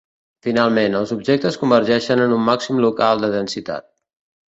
Finalment, els objectes convergeixen en un màxim local de densitat.